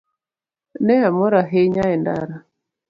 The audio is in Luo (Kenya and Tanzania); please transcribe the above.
Ne amor ahinya e ndara.